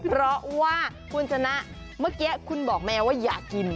เพราะว่าคุณชนะเมื่อกี้คุณบอกแมวว่าอยากกิน